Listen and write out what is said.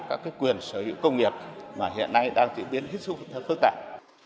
các quyền sở hữu công nghiệp mà hiện nay đang diễn biến hết sức phức tạp